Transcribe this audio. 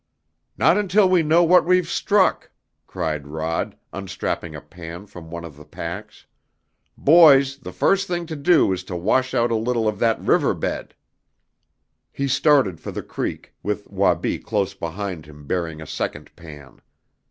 "Not until we know what we've struck," cried Rod, unstrapping a pan from one of the packs. "Boys, the first thing to do is to wash out a little of that river bed!" He started for the creek, with Wabi close behind him bearing a second pan.